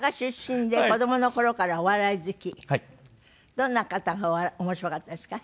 どんな方が面白かったですか？